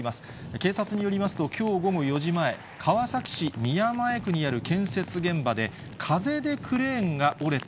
警察によりますと、きょう午後４時前、川崎市宮前区にある建設現場で、風でクレーンが折れた。